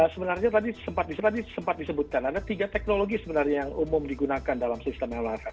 sebenarnya tadi sempat disebutkan ada tiga teknologi sebenarnya yang umum digunakan dalam sistem lrf